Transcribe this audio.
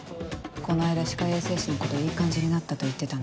この間歯科衛生士の子といい感じになったと言ってたんで。